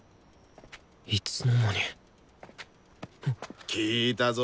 いつの間に聞いたぞ。